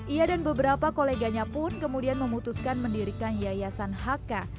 ia dan beberapa koleganya pun kemudian memutuskan mendirikan yayasan hk